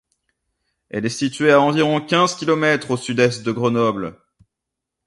Elle est située à environ quinze kilomètres au sud-est de Grenoble.